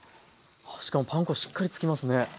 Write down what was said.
あしかもパン粉しっかりつきますね。